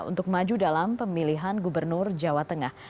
untuk maju dalam pemilihan gubernur jawa tengah